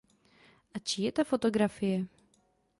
A čí je ta fotografie?